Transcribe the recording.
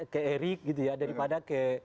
ke erick gitu ya daripada ke